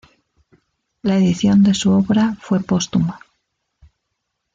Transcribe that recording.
La edición de su obra fue póstuma.